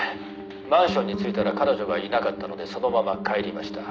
マンションに着いたら彼女がいなかったのでそのまま帰りました。